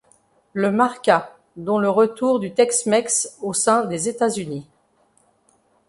Le marqua donc le retour du TexMex au sein des États-Unis.